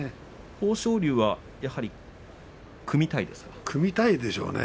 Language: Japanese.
豊昇龍はやはり組みたいですかね。